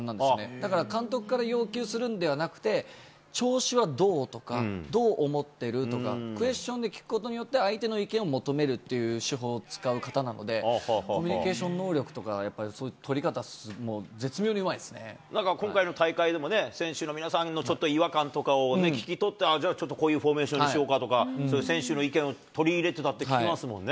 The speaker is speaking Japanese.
だから監督から要求するんじゃなくて、調子はどう？とか、どう思ってる？とか、クエスチョンで聞くことによって、相手の意見を求めるっていう手法を使う方なので、コミュニケーション能力とか、やっぱ取り方、なんか今回の大会でもね、選手の皆さんのちょっと違和感とかを聞き取って、じゃあ、ちょっとこういうフォーメーションにしようかとか、そういう選手の意見を取り入れてたって聞きますもんね。